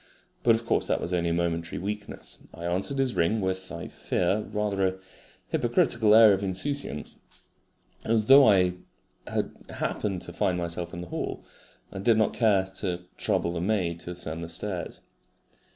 But of course that was only a momentary weakness. I answered his ring with, I fear, rather a hypocritical air of insouciance, as though I had happened to find myself in the hall, and did not care to trouble the maid to ascend the stairs.